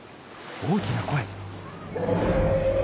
大きな声！